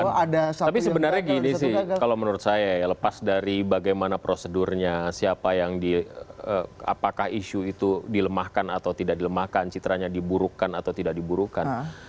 tapi sebenarnya gini sih kalau menurut saya lepas dari bagaimana prosedurnya apakah isu itu dilemahkan atau tidak dilemahkan citranya diburukkan atau tidak diburukkan